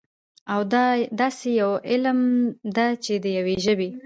او داسي يوه علم ده، چې د يوي ژبې